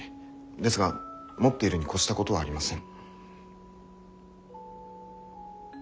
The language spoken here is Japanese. ですが持っているに越したことはありません。